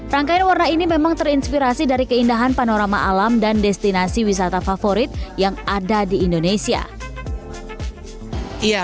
rangkaian warna ini memang terinspirasi dari keindahan panorama alam dan destinasi wisata favorit yang ada di indonesia